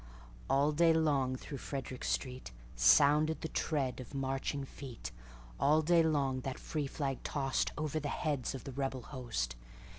All day long through Frederick streetSounded the tread of marching feet:All day long that free flag tostOver the heads of the rebel host.